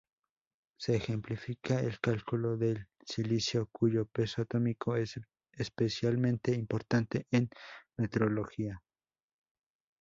Se ejemplifica el cálculo del silicio, cuyo peso atómico es especialmente importante en metrología.